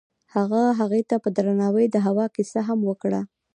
هغه هغې ته په درناوي د هوا کیسه هم وکړه.